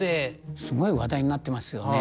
すごい話題になっていますよね。